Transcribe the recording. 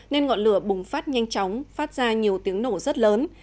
nên ngọn lửa bùng phát nhanh chóng phát ra nhiều tiếng nổ rất lớn